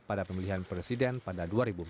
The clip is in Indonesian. pada pemilihan presiden pada dua ribu empat belas